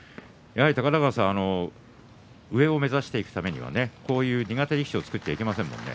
やはり上を目指していくためにはこういう苦手力士を作ってはいけませんね。